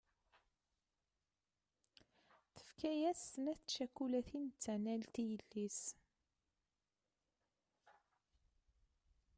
Tefka-as snat tcakulatin d tanalt i yelli-s.